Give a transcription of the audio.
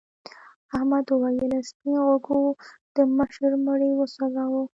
احمد وویل سپین غوږو د مشر مړی وسوځاوه.